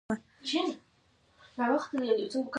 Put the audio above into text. کیمیا یوازې د فلزاتو د طلا کولو هڅه نه وه.